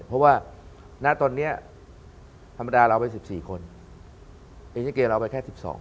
เพราะว่าณตอนนี้ธรรมดาเราไป๑๔คนเอเชียเกมเราไปแค่๑๒